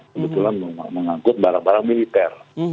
kebetulan mengangkut barang barang militer